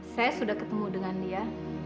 saya sudah ketemu dengan dia